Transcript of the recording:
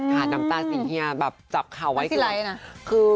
ค่ะน้ำตาสี่เหี้ยแบบจับเข่าไว้ก่อน